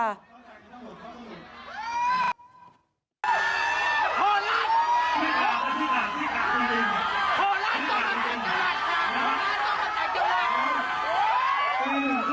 โห